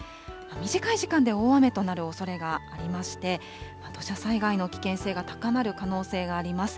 短い時間で大雨となるおそれがありまして、土砂災害の危険性が高まる可能性があります。